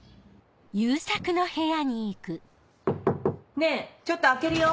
ねぇちょっと開けるよ？